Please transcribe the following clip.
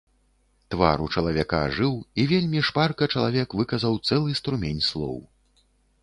Твар у чалавека ажыў, і вельмі шпарка чалавек выказаў цэлы струмень слоў.